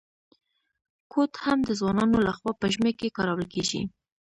کوټ هم د ځوانانو لخوا په ژمي کي کارول کیږي.